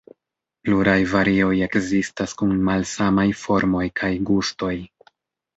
Pluraj varioj ekzistas kun malsamaj formoj kaj gustoj.